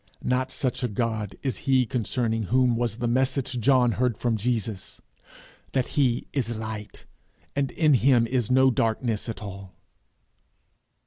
Not such a God is he concerning whom was the message John heard from Jesus, that he is light, and in him is no darkness at all.